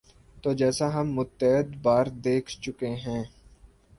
تو جیسا ہم متعدد بار دیکھ چکے ہیں۔